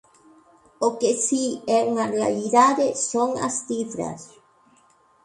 O que si é unha realidade son as cifras.